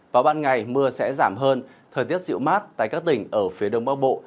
vào ban ngày mưa sẽ giảm hơn thời tiết dịu mát tại các tỉnh ở phía đông bắc bộ